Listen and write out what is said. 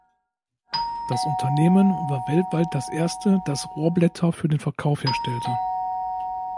Das Unternehmen war weltweit das erste, das Rohrblätter für den Verkauf herstellte.